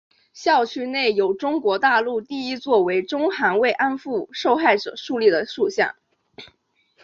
校区内有中国大陆第一座为中韩慰安妇受害者树立的塑像。